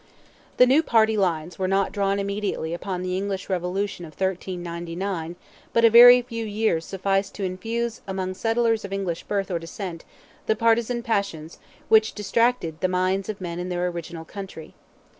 The new party lines were not drawn immediately upon the English revolution of 1399, but a very few years sufficed to infuse among settlers of English birth or descent the partizan passions which distracted the minds of men in their original country.